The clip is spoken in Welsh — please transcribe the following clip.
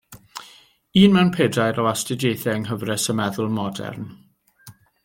Un mewn pedair o astudiaethau yng Nghyfres y Meddwl Modern.